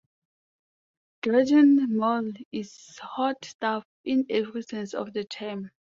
Gretchen Mol is hot stuff in every sense of the term.